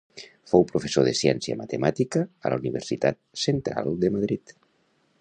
Fou professor de ciència matemàtica a la Universitat Central de Madrid.